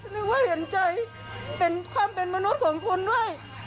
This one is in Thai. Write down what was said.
นึกว่าเห็นใจเป็นความเป็นมนุษย์ของคุณด้วย